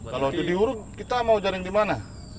kalau diurut kita mau jaring di mana